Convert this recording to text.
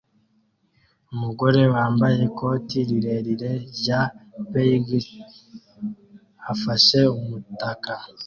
Umugore wambaye ikote rirerire rya beige afashe umutaka